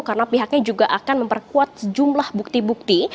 karena pihaknya juga akan memperkuat jumlah bukti bukti